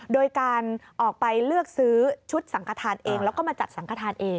โดยการออกไปเลือกซื้อชุดสังขทานเองแล้วก็มาจัดสังขทานเอง